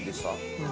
うん。